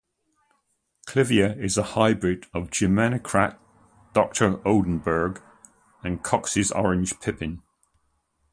'Clivia' is a hybrid of 'Geheimrat Doctor Oldenburg' and 'Cox's Orange Pippin'.